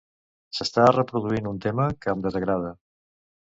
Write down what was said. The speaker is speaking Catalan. S'està reproduint un tema que em desagrada.